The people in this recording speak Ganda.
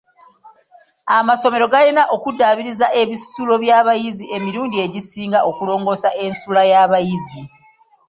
Amasomero galina okudaabiriza ebisulo by'abayizi emirundi egisinga okulongoosa ensula y'abayizi .